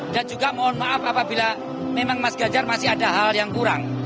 dan juga mohon maaf apabila memang mas ganjar masih ada hal yang kurang